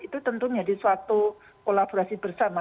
itu tentu menjadi suatu kolaborasi bersama